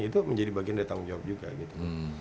itu menjadi bagian dari tanggung jawab juga gitu